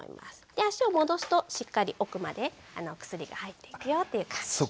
で足を戻すとしっかり奥までお薬が入っていくよという感じに。